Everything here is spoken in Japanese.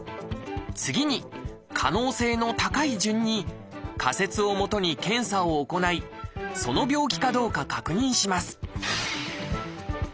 次に可能性の高い順に仮説をもとに検査を行いその病気かどうか確認します